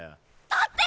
だって！